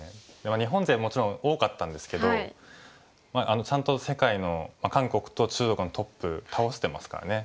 日本勢もちろん多かったんですけどまあちゃんと世界の韓国と中国のトップ倒してますからね。